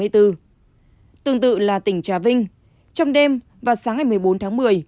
tương tự là tỉnh trà vinh trong đêm và sáng ngày một mươi bốn tháng một mươi